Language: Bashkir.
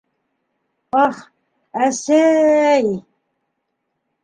Ах, әсәй!..